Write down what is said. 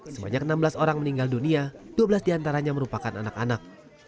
sebanyak enam belas orang meninggal dunia dua belas diantaranya merupakan anak anak